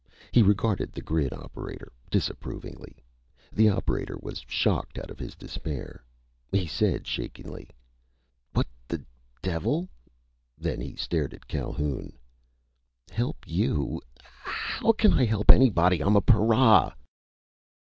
He regarded the grid operator disapprovingly. The operator was shocked out of his despair. He said shakenly: "What the devil " Then he stared at Calhoun. "Help you? How can I help anybody? I'm a para!"